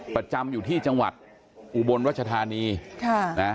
ประจำอยู่ที่จังหวัดอุบลรัชธานีค่ะนะ